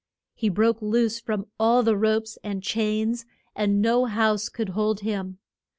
He broke loose from all the ropes and chains, and no house could hold him.